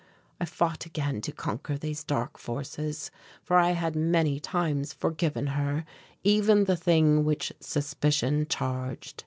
I fought again to conquer these dark forces, for I had many times forgiven her even the thing which suspicion charged.